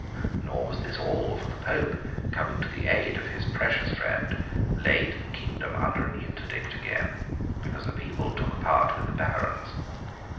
Nor was this all; for the Pope, coming to the aid of his precious friend, laid the kingdom under an Interdict again, because the people took part with the Barons.